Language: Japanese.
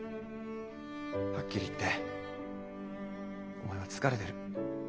はっきり言ってお前は疲れてる。